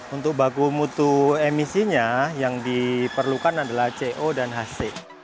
untuk baku mutu emisinya yang diperlukan adalah co dan hc